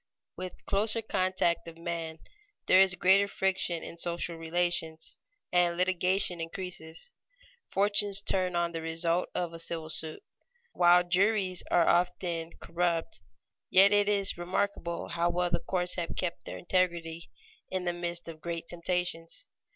_ With closer contact of men there is greater friction in social relations, and litigation increases. Fortunes turn on the result of a civil suit. While juries often are corrupt, yet it is remarkable how well the courts have kept their integrity in the midst of great temptations.